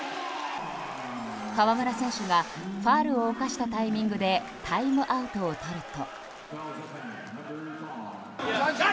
河村選手がファウルを犯したタイミングでタイムアウトを取ると。